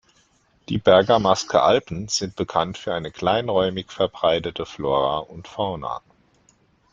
Die Bergamasker Alpen sind bekannt für eine kleinräumig verbreitete Flora und Fauna.